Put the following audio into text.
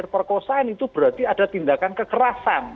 perkosaan itu berarti ada tindakan kekerasan